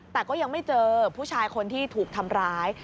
แต่ก็ยังไม่เจอผู้ชายคนที่ถูกทำร้าย